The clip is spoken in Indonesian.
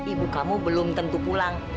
ibu kamu belum tentu pulang